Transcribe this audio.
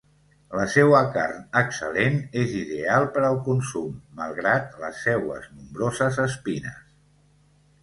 La seua carn excel·lent és ideal per al consum malgrat les seues nombroses espines.